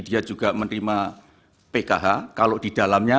dia juga menerima pkh kalau di dalamnya